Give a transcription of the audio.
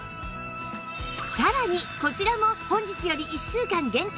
さらにこちらも本日より１週間限定